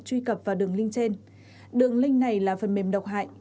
truy cập vào đường link trên đường link này là phần mềm độc hại